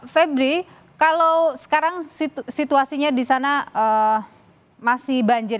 febri kalau sekarang situasinya di sana masih banjir